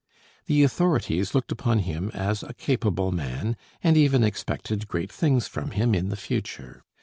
The authorities looked upon him as a capable man, and even expected great things from him in the future.